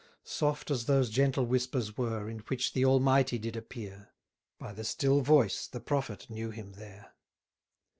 Soft as those gentle whispers were, In which the Almighty did appear; By the still voice the prophet knew him there.